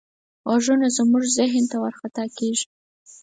غږونه زموږ ذهن ته ورخطا کېږي.